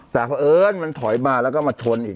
แต่เพราะเอิญมันถอยมาแล้วก็มาชนอีก